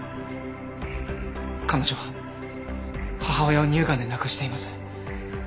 彼女は母親を乳がんで亡くしています。